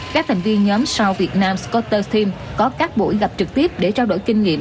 các thành viên nhóm south vietnam scooter team có các buổi gặp trực tiếp để trao đổi kinh nghiệm